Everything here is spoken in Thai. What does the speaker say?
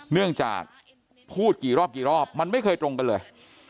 เนื่องจากพูดกี่รอบกี่รอบมันไม่เคยตรงกันเลย